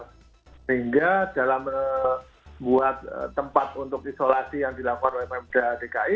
sehingga dalam membuat tempat untuk isolasi yang dilakukan oleh pemda dki